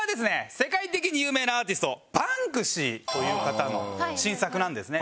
世界的に有名なアーティストバンクシーという方の新作なんですね。